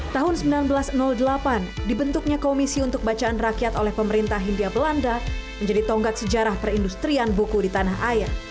tahun seribu sembilan ratus delapan dibentuknya komisi untuk bacaan rakyat oleh pemerintah hindia belanda menjadi tonggak sejarah perindustrian buku di tanah air